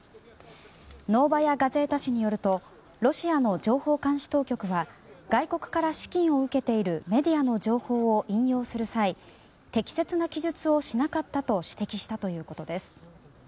ノーバヤ・ガゼータ紙によると外国から資金を受けているメディアの情報を引用する際適切な記述をしなかったと指摘したということです。